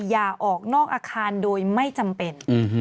อย่าออกนอกอาคารโดยไม่จำเป็น